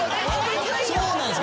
そうなんすか？